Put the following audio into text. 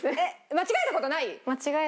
間違えた事ない？